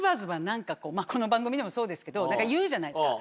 この番組でもそうですけど言うじゃないですか。